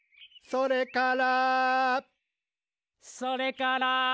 「それから」